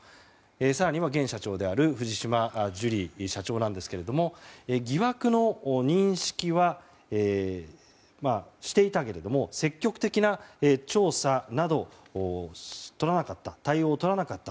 更には現社長である藤島ジュリー社長なんですけども疑惑の認識はしていたけれども積極的な調査など対応を取らなかった。